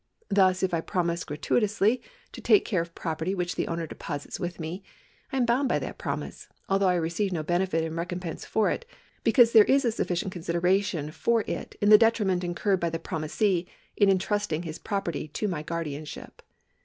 Thus if I promise gratuitously to take care of property which the owner deposits with me, I am bound by that promise, although I receive no benefit in recompense for it, because there is a sufficient consideration for it in the detriment incurred by the promisee in entrusting his property to my guardianship.